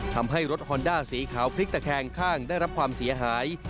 ทำให้รถฮอนด้าสีขาวพลิกตะแคงข้างได้รับความเสียหาย